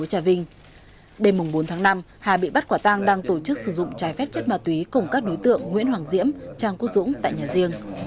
đêm bốn tháng năm hà bị bắt quả tang đang tổ chức sử dụng trái phép chất ma túy cùng các đối tượng nguyễn hoàng diễm trang quốc dũng tại nhà riêng